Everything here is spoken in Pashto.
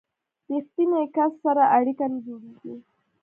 ریښتیني کس سره اړیکه نه جوړیږي.